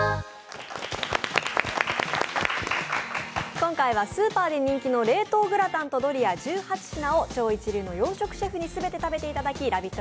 今回はスーパーで人気の冷凍グラタン・ドリアを超一流の洋食のシェフに全て食べていただき「ラヴィット！」